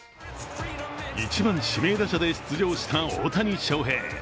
１番・指名打者で出場した大谷翔平。